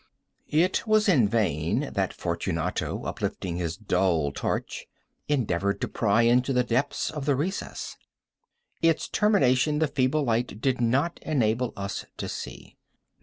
It was in vain that Fortunato, uplifting his dull torch, endeavored to pry into the depths of the recess. Its termination the feeble light did not enable us to see.